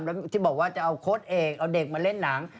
แล้วที่บอกว่าจะเอาโค้ดเอกเอาเด็กมาเล่นหนัง